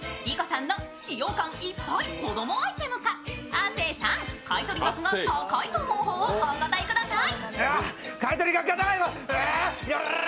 亜生さん、買い取り額が高いと思う方をお答えください。